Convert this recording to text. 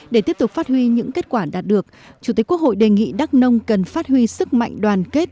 để tiếp tục phát huy những kết quả đạt được chủ tịch quốc hội đề nghị đắk nông cần phát huy sức mạnh đoàn kết